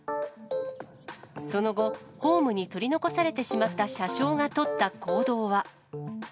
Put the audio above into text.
その後、ホームに取り残されてしまった車掌が取った行動は。